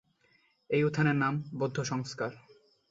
এই উত্থানের নাম বৌদ্ধ সংস্কার।